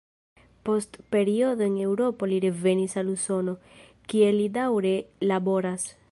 Post periodo en Eŭropo li revenis al Usono, kie li daŭre laboras.